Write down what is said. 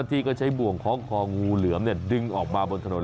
ทีนี้ใช้บวงของของูเหลือดึงออกมาบนถนนมัน